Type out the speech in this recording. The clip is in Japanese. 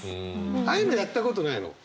ああいうのやったことないの？